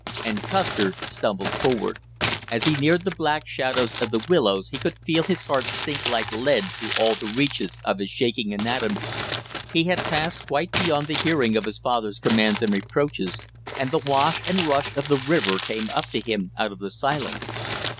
And Custer stumbled forward. As he neared the black shadows of the willows he could feel his heart sink like lead through all the reaches of his shaking anatomy. He had passed quite beyond the hearing of his father's commands and reproaches, and the wash and rush of the river came up to him out of the silence.